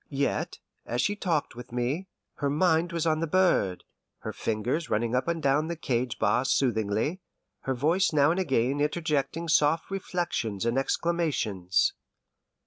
Yet, as she talked with me, her mind was on the bird, her fingers running up and down the cage bars soothingly, her voice now and again interjecting soft reflections and exclamations.